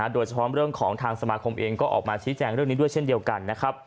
โดยเฉพาะเรื่องของทางสมาคมเองก็ออกมาชี้แจงเรื่องนี้ด้วยเช่นเดียวกันนะครับ